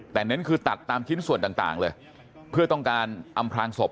แต่เน้นคือตัดตามชิ้นส่วนต่างเลยเพื่อต้องการอำพลางศพ